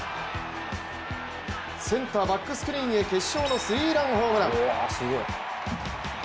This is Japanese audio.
センターバックスクリーンへ決勝のスリーランホームラン。